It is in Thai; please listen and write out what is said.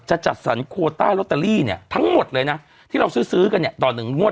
จัดสรรโคต้าลอตเตอรี่เนี่ยทั้งหมดเลยนะที่เราซื้อกันเนี่ยต่อหนึ่งงวด